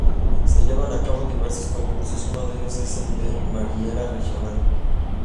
Se llevan a cabo diversos concursos, uno de ellos es el de Marinera Regional.